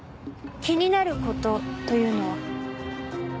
気になる事というのは？